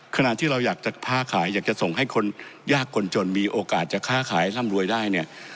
ขณะที่เราอยากจะค้าขายอยากจะส่งให้คนยากคนจนมีโอกาสจะค้าขายร่ำรวยได้เนี่ย